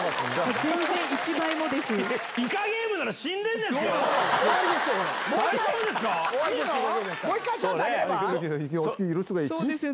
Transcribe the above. イカゲームなら死んでんですよ。